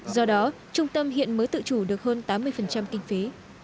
do đó trung tâm hiện mới tự chủ được hơn tám mươi kinh phí